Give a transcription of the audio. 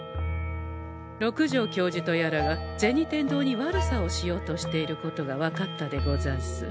六条教授とやらが銭天堂に悪さをしようとしていることが分かったでござんす。